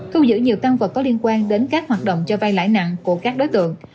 thu giữ nhiều tăng vật có liên quan đến các hoạt động cho vay lãi nặng của các đối tượng